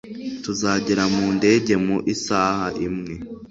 Tuzagera mu ndege mu isaha imwe.